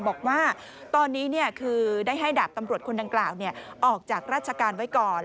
บอกว่าตอนนี้คือได้ให้ดาบตำรวจคนดังกล่าวออกจากราชการไว้ก่อน